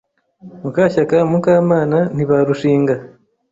Mukashyakana Mukamana ntibarushinga.